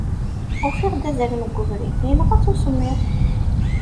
Ufiɣ-d azrem deg ubrid, yenɣa-t usemmiḍ.